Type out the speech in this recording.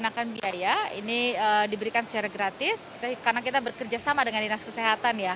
dikenakan biaya ini diberikan secara gratis karena kita bekerja sama dengan dinas kesehatan ya